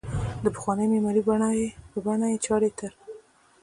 د پخوانۍ معمارۍ په بڼه یې چارې تر